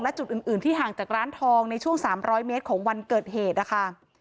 และจุดอื่นที่ห่างจากร้านทองในช่วง๓๐๐เมตรของวันเกิดเหตุนะคะ